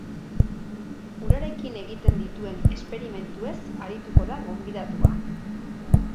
Urarekin egiten dituen esperimentuez arituko da gonbidatua.